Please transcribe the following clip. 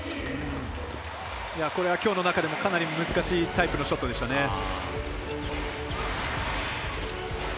これはきょうの中でもかなり難しいタイプのショットでしたね。